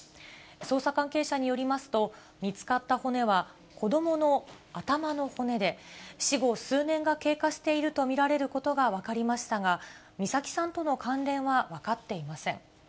捜査関係者によりますと、見つかった骨は、子どもの頭の骨で、死後数年が経過していると見られることが分かりましたが、美咲さんとの関連は分かっていません。